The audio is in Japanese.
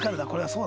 そう！